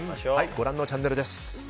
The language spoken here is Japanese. ご覧のチャンネルです。